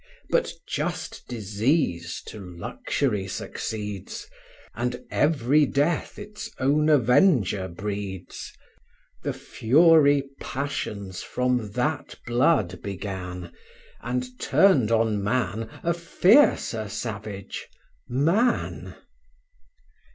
But just disease to luxury succeeds, And every death its own avenger breeds; The fury passions from that blood began, And turned on man a fiercer savage, man.